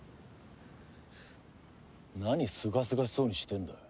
何すがすがしそうにしてんだ。